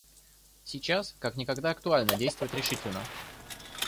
Сейчас как никогда актуально действовать решительно.